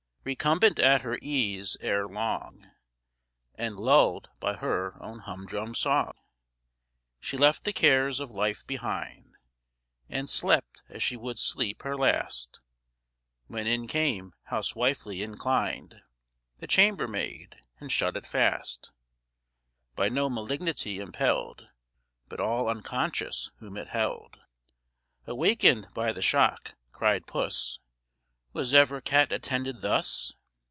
Recumbent at her ease, ere long, And lull'd by her own humdrum song, She left the cares of life behind, And slept as she would sleep her last, When in came, housewifely inclined, The chambermaid, and shut it fast; By no malignity impell'd, But all unconscious whom it held. Awaken'd by the shock (cried Puss) "Was ever cat attended thus?